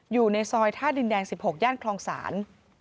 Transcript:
อยู่ในซอยท่าดินแดง๑๖ย่านคลองศาล